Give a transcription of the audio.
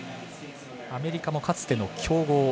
アメリカもかつての強豪。